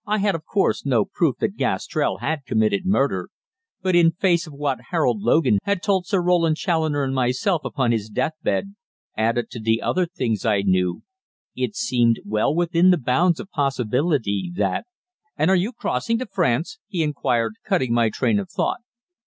I had, of course, no proof that Gastrell had committed murder, but in face of what Harold Logan had told Sir Roland Challoner and myself upon his death bed, added to other things I knew, it seemed well within the bounds of possibility that "And are you crossing to France?" he inquired, cutting my train of thought.